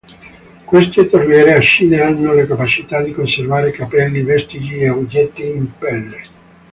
Queste torbiere acide hanno la capacità di conservare capelli, vestiti e oggetti in pelle.